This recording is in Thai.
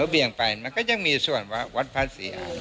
เบี้ยงไปยังมีส่วนวัดพระสิอาณ